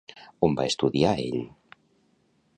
On va estudiar ell?